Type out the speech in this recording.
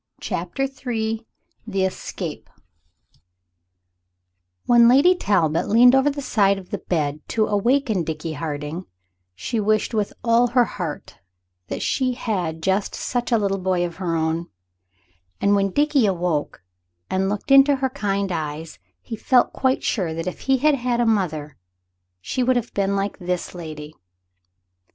CHAPTER III THE ESCAPE WHEN Lady Talbot leaned over the side of the big bed to awaken Dickie Harding she wished with all her heart that she had just such a little boy of her own; and when Dickie awoke and looked in her kind eyes he felt quite sure that if he had had a mother she would have been like this lady.